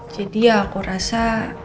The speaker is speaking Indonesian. jadi ya aku rasa